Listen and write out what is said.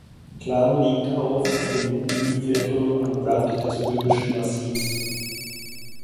Klam liegt auf im Mühlviertel am Rand des Böhmischen Massivs.